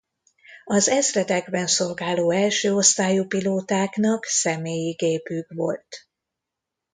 Az ezredekben szolgáló elsőosztályú pilótáknak személyi gépük volt.